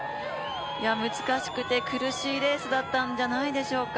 難しくて苦しいレースだったんじゃないでしょうか。